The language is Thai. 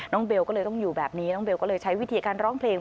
เบลก็เลยต้องอยู่แบบนี้น้องเบลก็เลยใช้วิธีการร้องเพลง